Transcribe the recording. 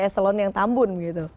eselon yang tambun begitu